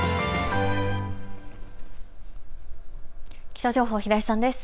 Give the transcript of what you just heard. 気象情報、平井さんです。